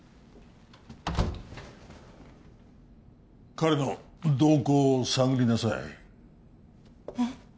彼の動向を探りなさいえっ？